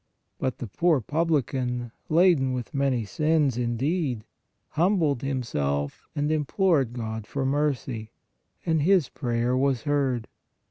But the poor publican, laden with many sins, indeed, humbled himself and implored God for mercy, and his prayer was heard.